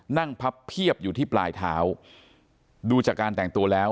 พับเพียบอยู่ที่ปลายเท้าดูจากการแต่งตัวแล้ว